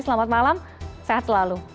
selamat malam sehat selalu